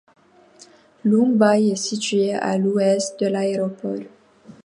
Long Bay est situé à l'ouest de l'aéroport.